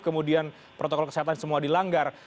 kemudian protokol kesehatan semua dilanggar